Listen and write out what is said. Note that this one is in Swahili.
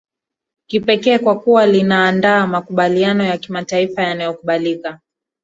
kipekee kwa kuwa linaandaa makubaliano ya kimataifa yanayokubalika